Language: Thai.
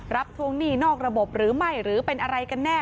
ทวงหนี้นอกระบบหรือไม่หรือเป็นอะไรกันแน่